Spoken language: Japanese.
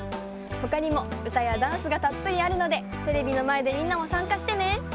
ほかにもうたやダンスがたっぷりあるのでテレビのまえでみんなもさんかしてね！